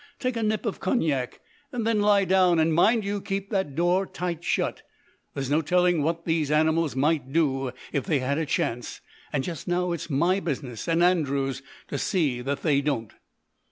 Take a nip of cognac and then lie down, and mind you keep the door tight shut. There's no telling what these animals might do if they had a chance, and just now it's my business and Andrew's to see that they don't."